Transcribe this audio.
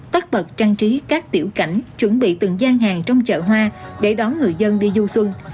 tất bật trang trí các tiểu cảnh chuẩn bị từng gian hàng trong chợ hoa để đón người dân đi du xuân